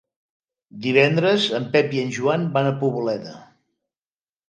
Divendres en Pep i en Joan van a Poboleda.